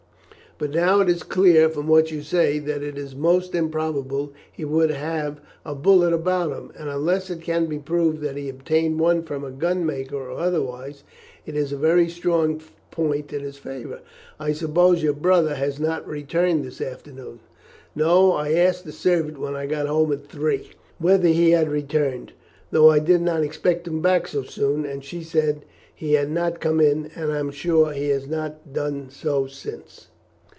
But now it is clear, from what you say, that it is most improbable he would have a bullet about him, and unless it can be proved that he obtained one from a gunmaker or otherwise, it is a very strong point in his favour. I suppose your brother has not returned this afternoon?" "No. I asked the servant, when I got home at three, whether he had returned, though I did not expect him back so soon, and she said that he had not come in, and I am sure he has not done so since."